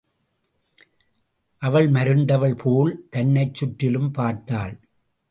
அவள் மருண்டவள் போல் தன்னைச் சுற்றிலும் பார்த்தாள்.